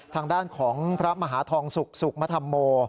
ทางด้านของพระมหาทองศุกร์สุขมธรรโม